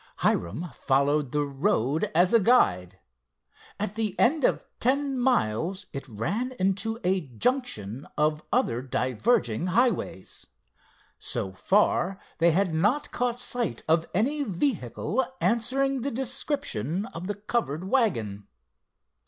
Hiram followed the road as a guide. At the end of ten miles it ran into a junction of other diverging highways. So far they had not caught sight of any vehicle answering the description of the covered wagon.